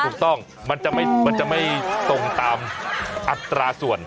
มันจะไม่ตรงตามอัตราส่วน